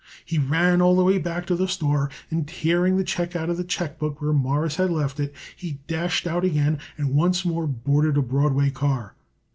He ran all the way back to the store and, tearing the check out of the checkbook where Morris had left it, he dashed out again and once more boarded a Broadway car.